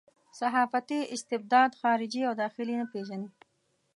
صحافتي استبداد خارجي او داخلي نه پېژني.